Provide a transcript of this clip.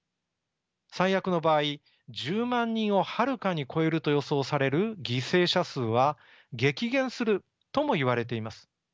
最悪の場合１０万人をはるかに超えると予想される犠牲者数は激減するともいわれています。